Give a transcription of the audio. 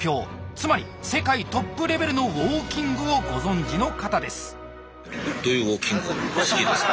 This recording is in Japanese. つまり世界トップレベルのウォーキングをご存じの方です。